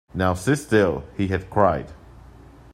“Now sit still,” he had cried.